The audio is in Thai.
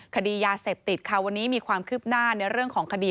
คดียาเสพติดค่ะวันนี้มีความคืบหน้าในเรื่องของคดี